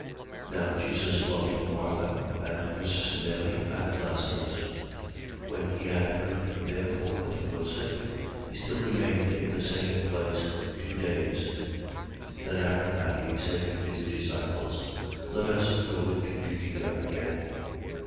11:5. Now Jesus loved Martha and her sister Mary and Lazarus. 11:6. When he had heard therefore that he was sick, he still remained in the same place two days. 11:7. Then after that, he said to his disciples: Let us go into Judea again.